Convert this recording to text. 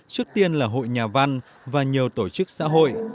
trước tiên là hội nhà văn và nhiều tổ chức xã hội